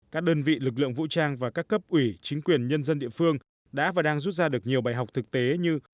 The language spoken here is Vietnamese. các đơn vị lực lượng vũ trang và các cấp ủy chính quyền nhân dân địa phương đã và đang rút ra được nhiều bài học thực tế như